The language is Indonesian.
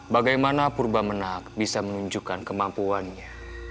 bagaimana purba menak bisa menunjukkan kemampuannya